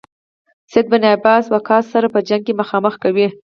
سعد بن ابي وقاص سره په جنګ کې مخامخ کوي.